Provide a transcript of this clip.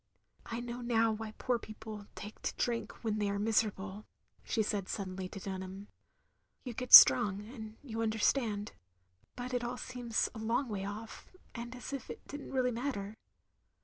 "I know now why poor people take to drink when they are miserable, " she said suddenly to Dunham. "You get strong, and you understand. But it all seems a long way off, and as if it did n't really matter.